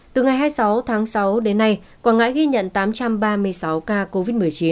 từ ngày hai mươi sáu tháng sáu đến nay quảng ngãi ghi nhận tám trăm ba mươi sáu ca covid một mươi chín